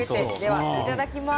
いただきます。